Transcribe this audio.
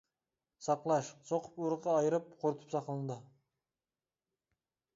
ساقلاش سوقۇپ ئۇرۇقى ئايرىپ قۇرۇتۇپ ساقلىنىدۇ.